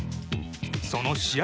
その試合